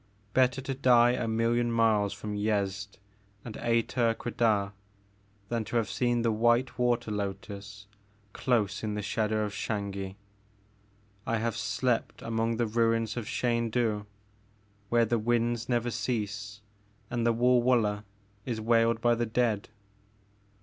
Bet ter to die a million miles from Yezd and Ater Quedah than to have seen the white water lotus dose in the shadow of Xangi ! I have slept among the ruins of Xaindu where the winds never cease and the WulwuUeh is wailed by the dead."